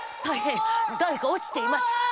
大変誰か落ちています。